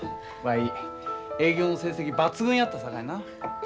わい営業の成績抜群やったさかいな。